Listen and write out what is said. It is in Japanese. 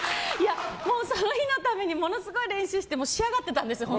その日のためにものすごい練習して仕上がってたんです。